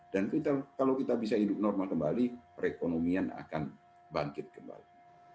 dan kalau kita bisa hidup normal kembali perekonomian akan bangkit kembali